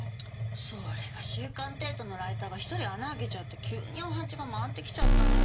それが『週刊帝都』のライターが１人穴開けちゃって急にお鉢が回ってきちゃったのよ。